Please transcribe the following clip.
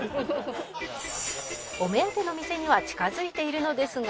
「お目当ての店には近づいているのですが」